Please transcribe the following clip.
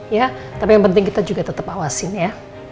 ya tapi yang penting kita juga tetap awasin ya